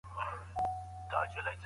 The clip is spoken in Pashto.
که باران ونه وریږي نو موږ به بهر لاړ سو.